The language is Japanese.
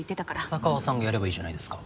浅川さんがやればいいじゃないですか。